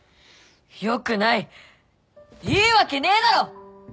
よくないいいわけねえだろ！